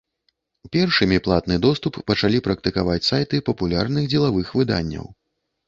Першымі платны доступ пачалі практыкаваць сайты папулярных дзелавых выданняў.